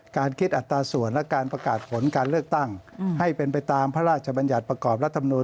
การเลือกตั้งให้เป็นไปตามพระราชบัญญัติประกอบรัฐมนูล